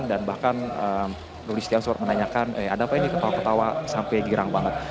dan bahkan rudy setiawan menanyakan ada apa ini ketawa ketawa sampai girang banget